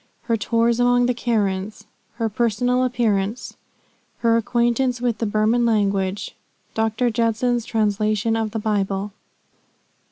HER TOURS AMONG THE KARENS. HER PERSONAL APPEARANCE. HER ACQUAINTANCE WITH THE BURMAN LANGUAGE. DR. JUDSON'S TRANSLATION OF THE BIBLE.